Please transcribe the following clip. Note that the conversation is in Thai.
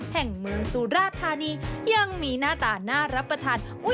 แห่งเมืองสุราธานียังมีหน้าตาน่ารับประทาน